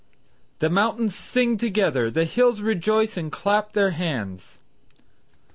"The mountains sing together, the hills rejoice and clap their hands."